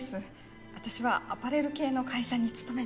私はアパレル系の会社に勤めてます。